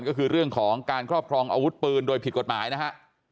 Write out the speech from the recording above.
ก็คือเรื่องของการครอบครองอาวุธปืนโดยผิดกฎหมายนะฮะ